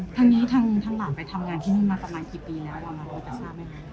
ทางนี้ทางทางหลังไปทำงานที่นี่มาประมาณกี่ปีแล้วเรามาดูกับภาพไหมครับ